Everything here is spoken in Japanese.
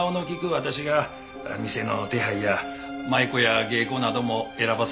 私が店の手配や舞妓や芸妓なども選ばせてもろたりしてます。